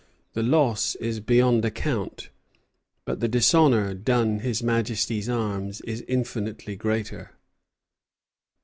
"The loss is beyond account; but the dishonor done His Majesty's arms is infinitely greater."